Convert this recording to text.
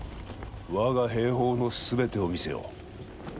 我が兵法の全てを見せよう。